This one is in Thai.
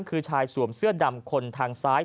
คือชายสวมเสื้อดำคนทางซ้าย